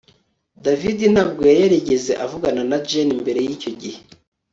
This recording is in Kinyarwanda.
David ntabwo yari yarigeze avugana na Jane mbere yicyo gihe